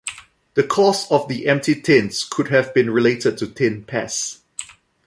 The cause of the empty tins could have been related to tin pest.